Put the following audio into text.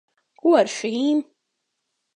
Ko ar šīm?